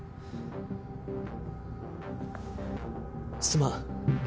すまん。